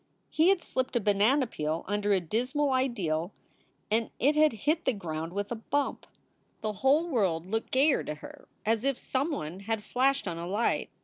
He had slipped a banana peel under a dismal ideal and it had hit the ground with a bump. The whole world looked gayer to her, as if some one had flashed on a light.